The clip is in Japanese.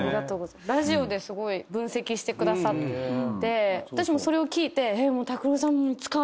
ラジオですごい分析してくださって私もそれを聴いて。